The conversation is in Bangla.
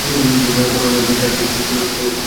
বড়ো হলে চার দিকে তুলো ছড়িয়ে অস্থির করে দেবে।